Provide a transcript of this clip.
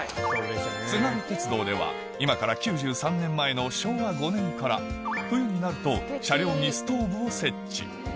津軽鉄道では今から９３年前の昭和５年から冬になると車両にストーブを設置